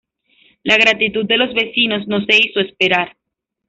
La gratitud de los vecinos no se hizo esperar.